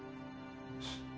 フッ。